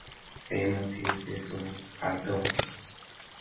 temas e extensões, add-ons